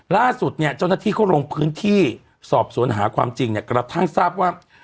ล่าสุดเนี่ยเจ้าหน้าที่เขาลงพื้นที่สอบสวนหาความจริงเนี่ยกระทั่งทราบว่า